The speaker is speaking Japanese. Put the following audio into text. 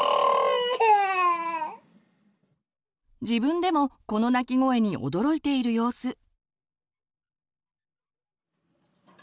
自分でもこの泣き声に驚いている様子。